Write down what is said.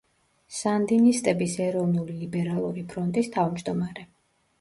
სანდინისტების ეროვნულ-ლიბერალური ფრონტის თავმჯდომარე.